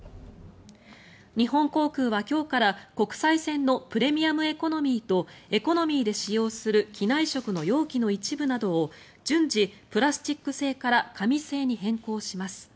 日本航空は今日から国際線のプレミアムエコノミーとエコノミーで使用する機内食の容器の一部などを順次、プラスチック製から紙製に変更します。